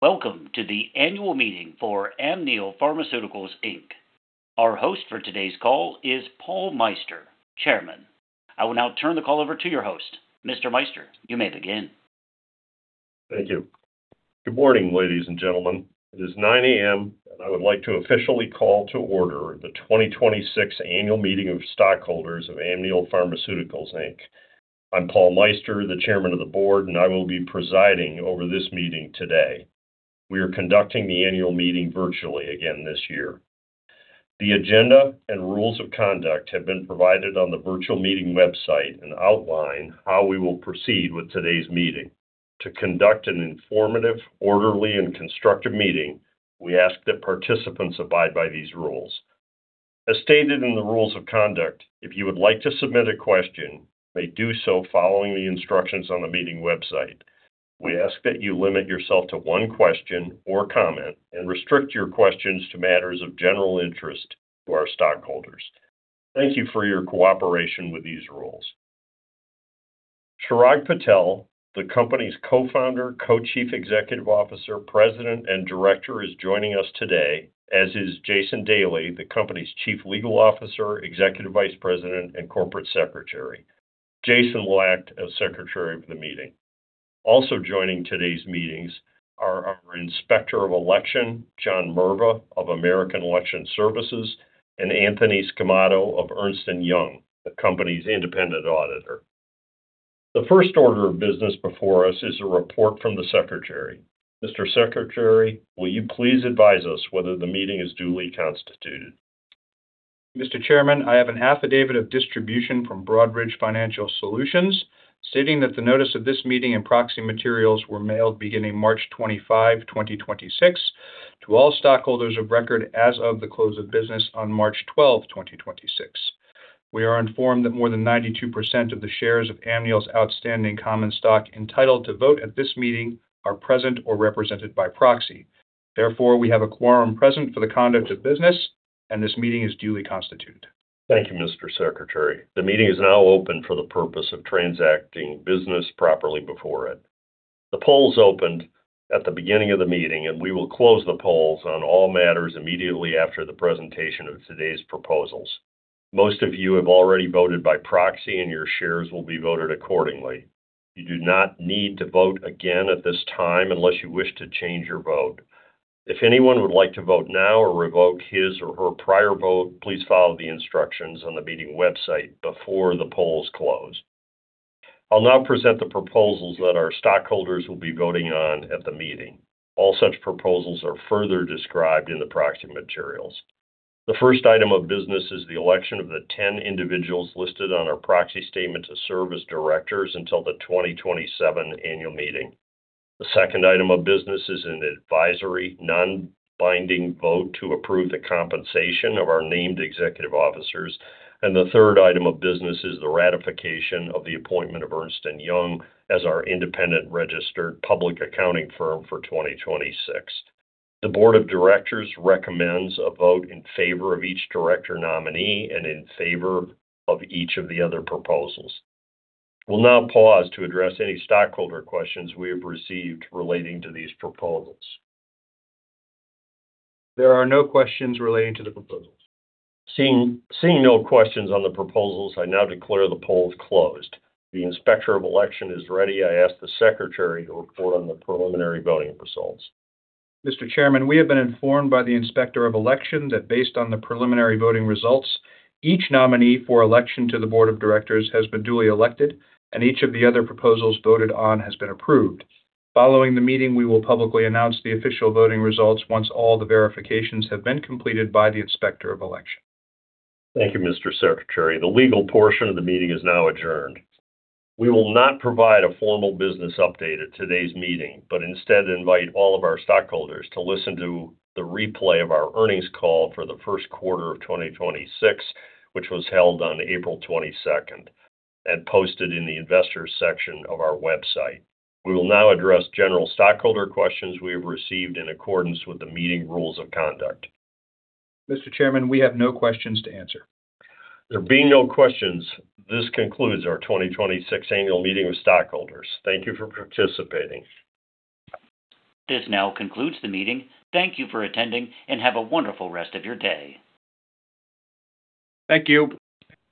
Welcome to the annual meeting for Amneal Pharmaceuticals, Inc. Our host for today's call is Paul Meister, Chairman. I will now turn the call over to your host. Mr. Meister, you may begin. Thank you. Good morning, ladies and gentlemen. It is 9:00 A.M., and I would like to officially call to order the 2026 annual meeting of stockholders of Amneal Pharmaceuticals, Inc. I'm Paul Meister, the Chairman of the Board, and I will be presiding over this meeting today. We are conducting the annual meeting virtually again this year. The agenda and rules of conduct have been provided on the virtual meeting website and outline how we will proceed with today's meeting. To conduct an informative, orderly, and constructive meeting, we ask that participants abide by these rules. As stated in the rules of conduct, if you would like to submit a question, you may do so following the instructions on the meeting website. We ask that you limit yourself to one question or comment and restrict your questions to matters of general interest to our stockholders. Thank you for your cooperation with these rules. Chirag Patel, the company's Co-Founder, Co-Chief Executive Officer, President, and Director is joining us today, as is Jason Daly, the company's Chief Legal Officer, Executive Vice President, and Corporate Secretary. Jason will act as secretary for the meeting. Also joining today's meetings are our Inspector of Election, John Merva of American Election Services, and Anthony Sgammato of Ernst & Young, the company's independent auditor. The first order of business before us is a report from the secretary. Mr. Secretary, will you please advise us whether the meeting is duly constituted? Mr. Chairman, I have an affidavit of distribution from Broadridge Financial Solutions stating that the notice of this meeting and proxy materials were mailed beginning March 25, 2026 to all stockholders of record as of the close of business on March 12, 2026. We are informed that more than 92% of the shares of Amneal's outstanding common stock entitled to vote at this meeting are present or represented by proxy. Therefore, we have a quorum present for the conduct of business, and this meeting is duly constituted. Thank you, Mr. Secretary. The meeting is now open for the purpose of transacting business properly before it. The polls opened at the beginning of the meeting. We will close the polls on all matters immediately after the presentation of today's proposals. Most of you have already voted by proxy. Your shares will be voted accordingly. You do not need to vote again at this time unless you wish to change your vote. If anyone would like to vote now or revoke his or her prior vote, please follow the instructions on the meeting website before the polls close. I'll now present the proposals that our stockholders will be voting on at the meeting. All such proposals are further described in the proxy materials. The first item of business is the election of the 10 individuals listed on our proxy statement to serve as directors until the 2027 annual meeting. The second item of business is an advisory, non-binding vote to approve the compensation of our named executive officers. The third item of business is the ratification of the appointment of Ernst & Young as our independent registered public accounting firm for 2026. The Board of Directors recommends a vote in favor of each director nominee and in favor of each of the other proposals. We'll now pause to address any stockholder questions we have received relating to these proposals. There are no questions relating to the proposals. Seeing no questions on the proposals, I now declare the polls closed. The Inspector of Election is ready. I ask the Secretary to report on the preliminary voting results. Mr. Chairman, we have been informed by the Inspector of Election that based on the preliminary voting results, each nominee for election to the Board of Directors has been duly elected and each of the other proposals voted on has been approved. Following the meeting, we will publicly announce the official voting results once all the verifications have been completed by the Inspector of Election. Thank you, Mr. Secretary. The legal portion of the meeting is now adjourned. We will not provide a formal business update at today's meeting, but instead invite all of our stockholders to listen to the replay of our earnings call for the first quarter of 2026, which was held on April 22nd and posted in the investors section of our website. We will now address general stockholder questions we have received in accordance with the meeting rules of conduct. Mr. Chairman, we have no questions to answer. There being no questions, this concludes our 2026 annual meeting with stockholders. Thank you for participating. This now concludes the meeting. Thank you for attending, and have a wonderful rest of your day. Thank you.